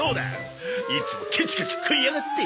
いつもケチケチ食いやがって！